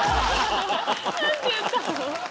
何て言ったの？